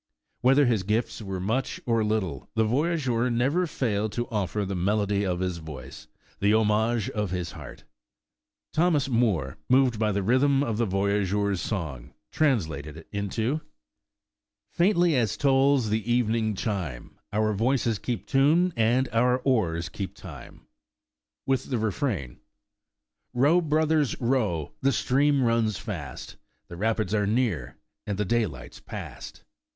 Whether his gifts were much or little, the voyageur never failed to offer the melody of his voice, the homage of his heart. Thomas Moore, moved by the rythm of the voyageur 's song, translated it into: '* Faintly as tolls the evening chime, Our voices keep tune, and our oars keep time, '' with the refrain : ''Row, brothers, row; the stream runs fast, The rapids are near, and the daylight 's past.